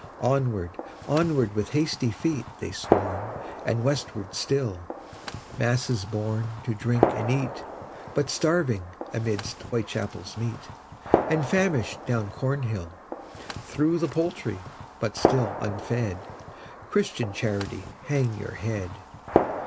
Onward, onward, with hasty feet, They swarm and westward still Masses born to drink and eat, But starving amidst Whitechapel's meat, And famishing down Cornhill! Through the Poultry but still unfed Christian Charity, hang your head!